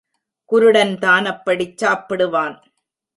குருடன்தான் அப்படிச் சாப்பிடுவான்.